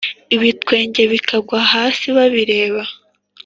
ibitwenge bikagwa hasi babireba